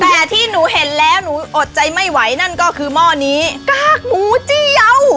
แต่ที่หนูเห็นแล้วหนูอดใจไม่ไหวนั่นก็คือหม้อนี้กากหมูเจี้ย